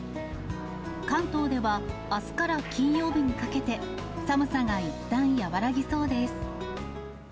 関東ではあすから金曜日にかけて、寒さがいったん和らぎそうです。